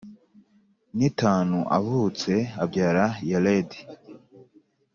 n itanu avutse abyara Yeredi